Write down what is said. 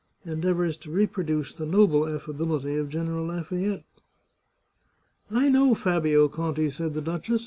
endeav ours to reproduce the noble affability of General Lafay ette." " I know Fabio Conti," said the duchess.